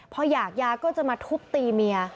พออยากยาก็จะมาทุบตีเมีย